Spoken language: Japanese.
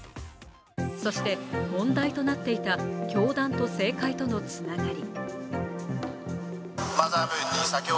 そして問題となっていた教団と政界とのつながり。